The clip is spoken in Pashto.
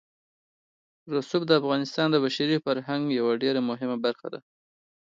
رسوب د افغانستان د بشري فرهنګ یوه ډېره مهمه برخه ده.